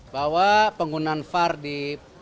bahwa penggunaan var di